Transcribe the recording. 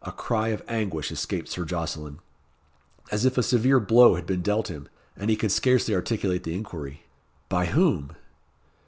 A cry of anguish escaped Sir Jocelyn, as if a severe blow had been dealt him and he could scarcely articulate the inquiry, "By whom?"